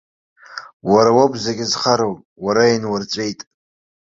Уара уоуп зегьы зхароу, уара инурҵәеит!